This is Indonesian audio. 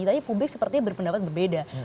tapi publik sepertinya berpendapat berbeda